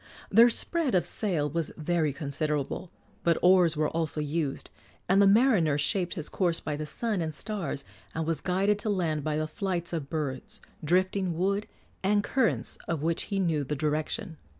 Their spread of sail was very considerable, but oars were also used, and the mariner shaped his course by the sun and stars, and was guided to land by the flights of birds, drifting wood, and currents of which he knew the direction.